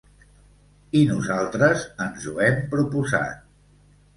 I nosaltres ens ho hem proposat!